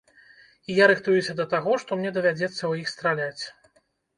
І я рыхтуюся да таго, што мне давядзецца ў іх страляць.